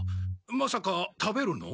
まさか食べるの？